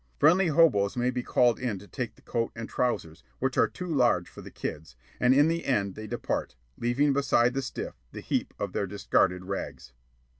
Friendly hoboes may be called in to take the coat and trousers, which are too large for the kids. And in the end they depart, leaving beside the stiff the heap of their discarded rags.